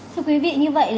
thưa quý vị như vậy